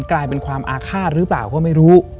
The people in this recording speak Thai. กลายเป็นความอาฆาตหรือเปล่าก็ไม่รู้